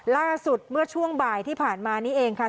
ล่าสุดเมื่อช่วงบ่ายที่ผ่านมานี้เองค่ะ